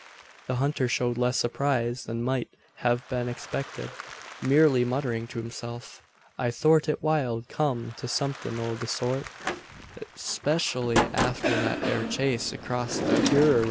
The hunter showed less surprise than might have been expected; merely muttering to himself: "I thort it wild come to somethin' o' the sort specially arter thet ere chase acrost the purayra."